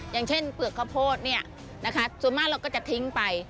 อย่างเช่นเปลือกขโพสส่วนมากเราก็จะทิ้งไป